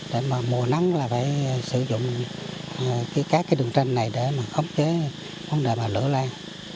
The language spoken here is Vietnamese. để mà mùa nắng là phải sử dụng các cái đường tranh này để mà khống chế vấn đề mà lửa lan